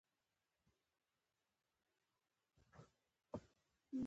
باسواده ښځې د ښوونکو په توګه دنده ترسره کوي.